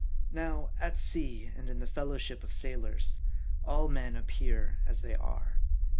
Now, at sea, and in the fellowship of sailors, all men ap pear as they are.